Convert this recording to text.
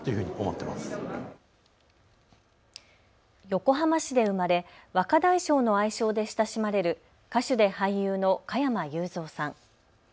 横浜市で生まれ、若大将の愛称で親しまれる歌手で俳優の加山雄三さん。